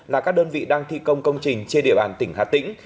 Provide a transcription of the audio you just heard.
là các đơn vị đang thi công công trình trên địa bàn tỉnh hà tĩnh